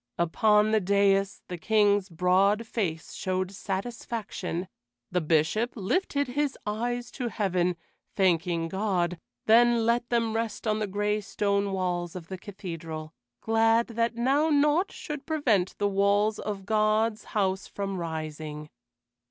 Upon the dais the King's broad face showed satisfaction; the Bishop lifted his eyes to heaven, thanking God, then let them rest on the gray stone walls of the cathedral, glad that now naught should prevent the walls of God's house from rising.